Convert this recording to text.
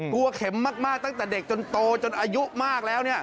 เข็มมากตั้งแต่เด็กจนโตจนอายุมากแล้ว